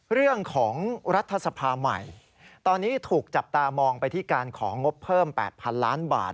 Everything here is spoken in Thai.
เรื่องของรัฐสภาใหม่ตอนนี้ถูกจับตามองไปที่การของงบเพิ่ม๘๐๐๐ล้านบาท